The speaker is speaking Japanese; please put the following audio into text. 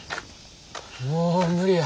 もう無理や。